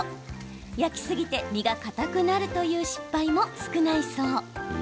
焼きすぎて身がかたくなるという失敗も少ないそう。